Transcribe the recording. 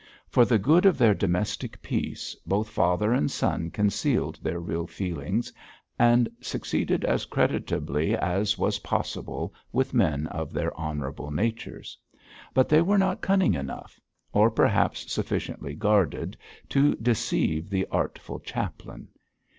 For the good of their domestic peace, both father and son concealed their real feelings, and succeeded as creditably as was possible with men of their honourable natures. But they were not cunning enough or perhaps sufficiently guarded to deceive the artful chaplain.